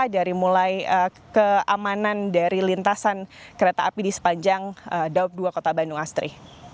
dari mulai keamanan dari lintasan kereta api di sepanjang daup dua kota bandung astri